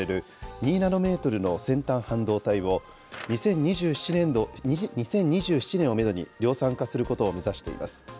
２ナノメートルの先端半導体を２０２７年をメドに量産化することを目指しています。